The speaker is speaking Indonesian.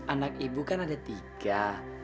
anak ibu kan ada tiga